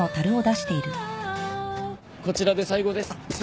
こちらで最後です。